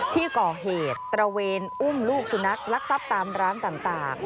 ที่ก่อเหตุตระเวนอุ้มลูกสุนัขลักทรัพย์ตามร้านต่าง